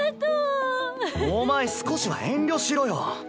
お前少しは遠慮しろよ。